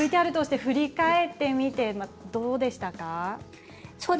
ＶＴＲを振り返ってみてどうでしたか。